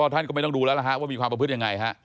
ท่านก็ไม่ต้องดูแล้วว่ามีความประพฤติยังไงฮะ